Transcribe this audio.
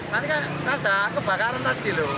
tadi kan tanda kebakaran tadi loh